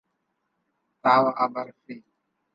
তাও আবার ফ্রি।